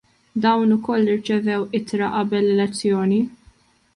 Dawn ukoll irċevew ittra qabel l-elezzjoni.